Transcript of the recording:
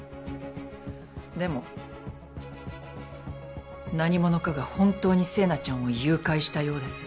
でも何者かが本当に星名ちゃんを誘拐したようです。